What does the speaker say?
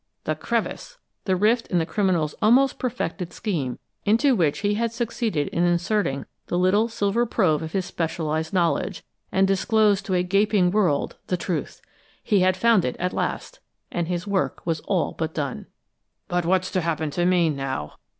The crevice! The rift in the criminal's almost perfected scheme, into which he had succeeded in inserting the little silver probe of his specialized knowledge, and disclosed to a gaping world the truth! He had found it at last, and his work was all but done. "But what's to happen to me now?"